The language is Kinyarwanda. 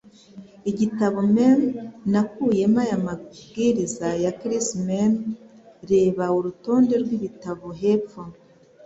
igitabo meme nakuyemo aya mabwiriza ya Chris Meme: Reba urutonde rwibitabo hepfo.